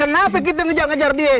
kenapa kita ngejar ngejar dia